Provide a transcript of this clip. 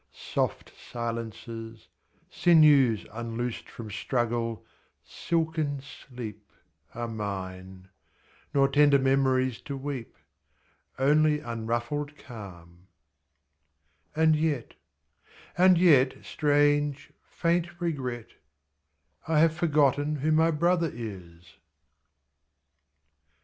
Soft silences, Sinews unloosed from struggle, silken sleep, 27 Are mine; nor tender memories to weep. Only unruffled calm; and yet — and yet — Strange, faint regret — I have forgotten who my brother is!